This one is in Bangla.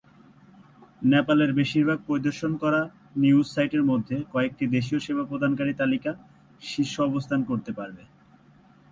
নেপালের বেশিরভাগ পরিদর্শন করা নিউজ সাইটের মধ্যে কয়েকটি দেশীয় সেবা প্রদানকারী তালিকার শীর্ষে অবস্থান করতে পারে।